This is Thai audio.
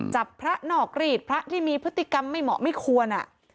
จับพระนอกรีดพระที่มีพฤติกรรมไม่เหมาะไม่ควร